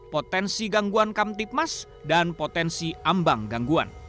potensi gangguan kamtipmas dan potensi ambang gangguan